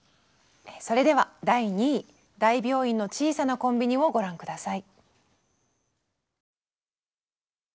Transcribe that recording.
それでは第２位「大病院の小さなコンビニ」をご覧下さい。